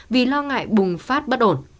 vì lo ngại bùng phát bất ổn